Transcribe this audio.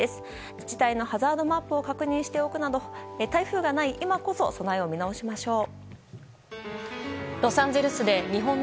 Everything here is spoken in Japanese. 自治体のハザードマップを確認しておくなど台風がない今こそ備えを見直しましょう。